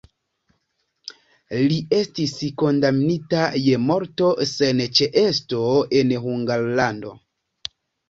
Li estis kondamnita je morto sen ĉeesto en Hungarlando.